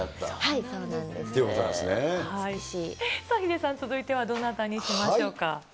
さあ、ヒデさん、続いてはどなたにしましょうか。